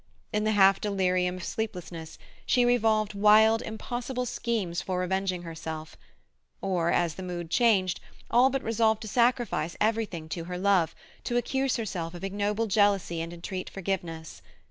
In the half delirium of sleeplessness, she revolved wild, impossible schemes for revenging herself, or, as the mood changed, all but resolved to sacrifice everything to her love, to accuse herself of ignoble jealousy and entreat forgiveness.